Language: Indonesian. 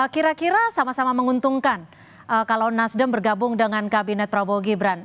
kira kira sama sama menguntungkan kalau nasdem bergabung dengan kabinet prabowo gibran